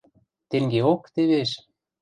Тенгеок тевеш...